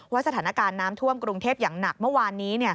สถานการณ์น้ำท่วมกรุงเทพอย่างหนักเมื่อวานนี้